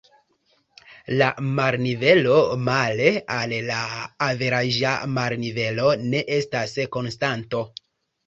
La marnivelo male al averaĝa marnivelo ne estas konstanto.